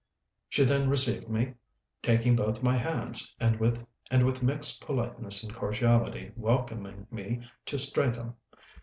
She then received me, taking both my hands, and with mixed politeness and cordiality welcoming me to Streatham.